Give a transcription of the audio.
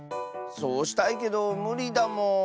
そうしたいけどむりだもん。